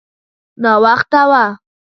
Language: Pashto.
ناوخته و.